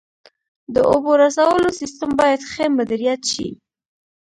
د اوبو رسولو سیستم باید ښه مدیریت شي.